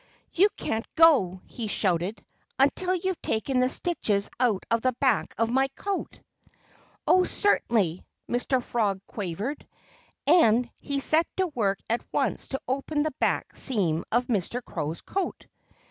"You can't go," he shouted, "until you've taken the stitches out of the back of my coat." "Oh, certainly!" Mr. Frog quavered. And he set to work at once to open the back seam of Mr. Crow's coat.